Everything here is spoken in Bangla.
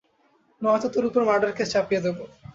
নয়তো তোর উপর মার্ডার কেস চাপিযে দেব।